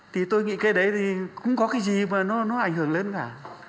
thì tôi nghĩ cái đấy thì cũng có cái gì mà nó ảnh hưởng lên cả